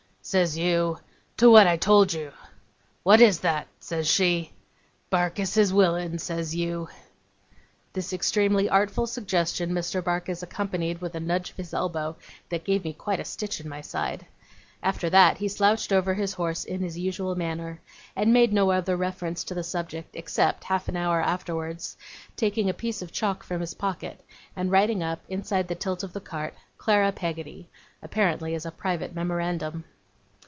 Says you, "To what I told you." "What is that?" says she. "Barkis is willin'," says you.' This extremely artful suggestion Mr. Barkis accompanied with a nudge of his elbow that gave me quite a stitch in my side. After that, he slouched over his horse in his usual manner; and made no other reference to the subject except, half an hour afterwards, taking a piece of chalk from his pocket, and writing up, inside the tilt of the cart, 'Clara Peggotty' apparently as a private memorandum.